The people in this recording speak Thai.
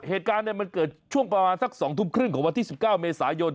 เหตุการณ์มันเกิดช่วงประมาณสัก๒ทุ่มครึ่งของวันที่๑๙เมษายน